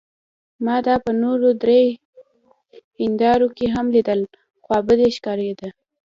ما دا په نورو درې هندارو کې هم لیدل، خوابدې ښکارېده.